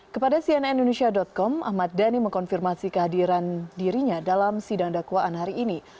kepada cnn indonesia com ahmad dhani mengkonfirmasi kehadiran dirinya dalam sidang dakwaan hari ini